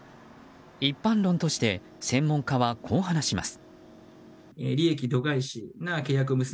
一般論として専門家はこう話します。